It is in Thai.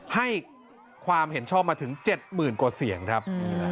ให้ความเห็นชอบมาถึง๗๐๐๐กว่าเสียงครับ